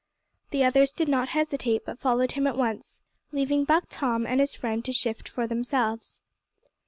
The others did not hesitate, but followed him at once, leaving Buck Tom, and his friend to shift for themselves.